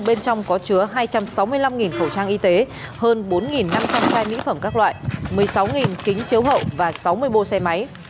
bên trong có chứa hai trăm sáu mươi năm khẩu trang y tế hơn bốn năm trăm linh khoa mỹ phẩm các loại một mươi sáu kính chiếu hậu và sáu mươi bô xe máy